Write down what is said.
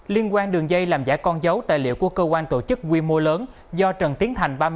liên quan đường dây làm giả con dấu tài liệu của cơ quan tổ chức quy mô lớn do trần tiến thành